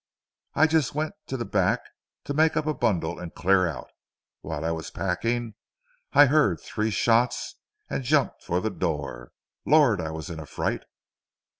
I just went to the back to make up a bundle and clear out. While I was packing I heard three shots, and jumped for the door. Lord I was in a fright."